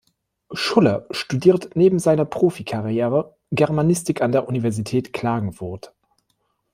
Schuller studiert neben seiner Profikarriere Germanistik an der Universität Klagenfurt.